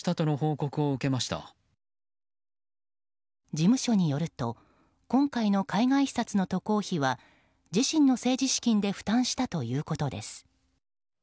事務所によると今回の海外視察の渡航費は自身の政治資金で負担したということです。